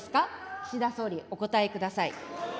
岸田総理、お答えください。